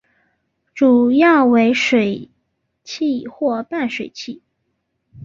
主要为水栖或半水栖。